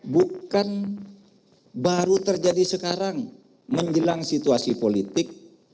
bukan baru terjadi sekarang menjelang situasi politik